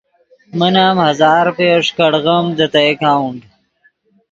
من ام ہزار روپیو ݰیکاڑیم دے تے اکاؤنٹ۔